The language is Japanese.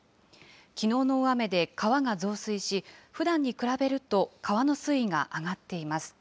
きのうの大雨で川が増水し、ふだんに比べると川の水位が上がっています。